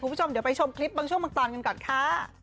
คุณผู้ชมเดี๋ยวไปชมคลิปบางช่วงบางตอนกันก่อนค่ะ